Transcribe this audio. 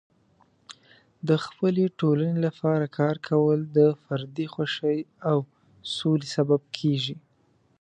د خپلې ټولنې لپاره کار کول د فردي خوښۍ او د سولې سبب کیږي.